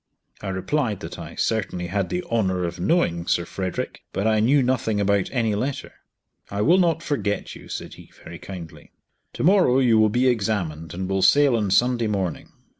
I replied that I certainly had the honour of knowing Sir Frederick, but I knew nothing about any letter. "I will not forget you," said he, very kindly. "Tomorrow you will be examined, and will sail on Sunday morning."